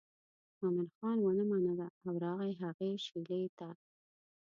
مومن خان ونه منله او راغی هغې شېلې ته.